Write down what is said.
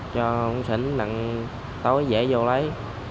cho ông xỉn nặng tối dễ vô lấy